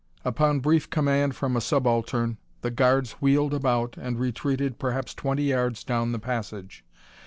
Upon brief command from a subaltern, the guards wheeled about and retreated perhaps twenty yards down the passage.